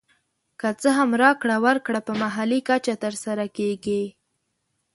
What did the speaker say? که څه هم راکړه ورکړه په محلي کچه تر سره کېږي